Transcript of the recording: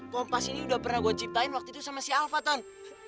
kompas ini udah pernah gue ciptain waktu itu sama si alfaton